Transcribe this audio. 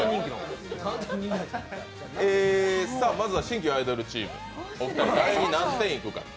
まずは新旧アイドルチーム、お二人、誰に何点いくか。